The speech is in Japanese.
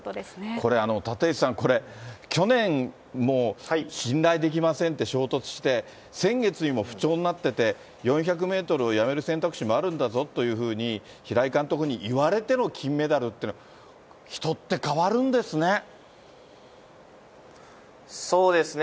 これ、立石さん、これ、去年もう信頼できませんって衝突して、先月にも不調になってて、４００メートルをやめる選択肢もあるんだぞというふうに、平井監督に言われての金メダルっていう、人って変わるんですね。